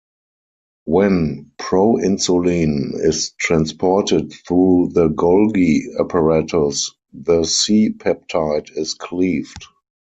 When proinsulin is transported through the Golgi apparatus the C-peptide is cleaved.